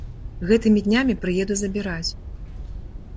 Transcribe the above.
Гэтымі днямі прыеду забіраць.